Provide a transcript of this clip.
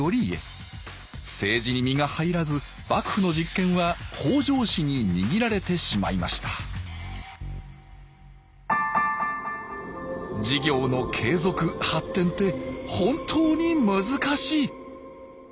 政治に身が入らず幕府の実権は北条氏に握られてしまいました事業の継続・発展って本当に難しい！